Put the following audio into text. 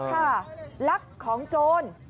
ใช่ค่ะลักของโจร